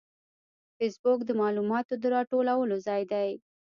فېسبوک د معلوماتو د راټولولو ځای دی